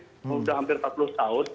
sudah hampir empat puluh tahun